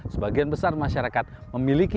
sebagian besar masyarakat memiliki